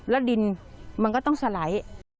แล้วดินมันก็ต้องสลาย